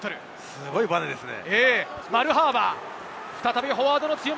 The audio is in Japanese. すごいバネですね。